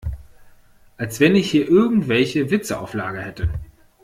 Als wenn ich hier irgendwelche Witze auf Lager hätte!